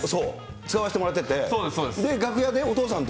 やらしてもらってて、楽屋でお父さんと？